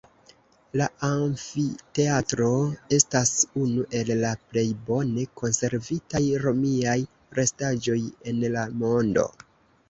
La amfiteatro estas unu el la plej bone konservitaj romiaj restaĵoj en la mondo.